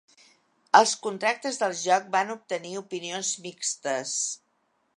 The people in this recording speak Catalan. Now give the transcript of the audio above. Els contractes del joc van obtenir opinions mixtes.